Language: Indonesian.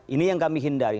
ini yang kami hindari